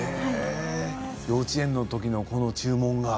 幼稚園のときの注文が。